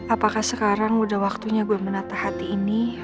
apakah sekarang udah waktunya gue menatah hati ini